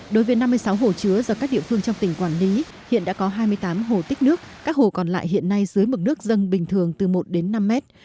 đối với năm mươi sáu hồ chứa do các địa phương trong tỉnh quản lý hiện đã có hai mươi tám hồ tích nước các hồ còn lại hiện nay dưới mực nước dâng bình thường từ một đến năm mét